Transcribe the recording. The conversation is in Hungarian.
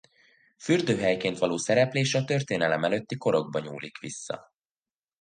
Fürdőhelyként való szereplése a történelem előtti korokba nyúlik vissza.